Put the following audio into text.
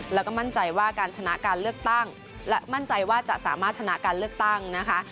แล้วก็มั่นใจว่าการชนะการเลือกตั้งและมั่นใจว่าจะสามารถชนะการเลือกตั้งนะคะ